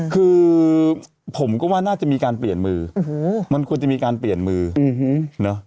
คือผมก็ว่าน่าจะมีการเปลี่ยนมือมันควรจะมีการเปลี่ยนมือเนอะ